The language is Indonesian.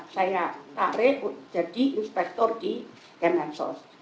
saya tarik jadi inspektor di kemensos